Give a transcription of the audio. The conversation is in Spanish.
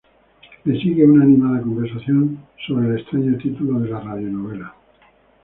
Le sigue una animada conversación acerca del extraño título de la radio-novela.